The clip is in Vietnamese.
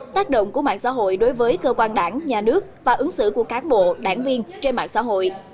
tác động của mạng xã hội đối với cơ quan đảng nhà nước và ứng xử của cán bộ đảng viên trên mạng xã hội